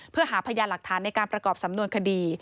เพื่อหาพยานหลักฐานในการประกอบสำนวนคดี